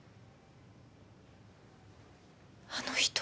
あの人。